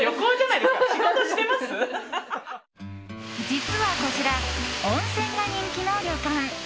実はこちら、温泉が人気の旅館。